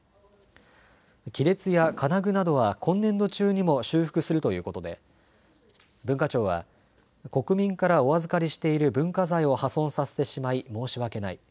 亀裂や金具などは今年度中にも修復するということで文化庁は国民からお預かりしている文化財を破損させてしまい申し訳ない。